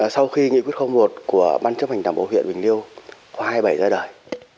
sau khi nghị quyết một của ban chức hành đảm bộ huyện bình liêu khoai bảy ra đời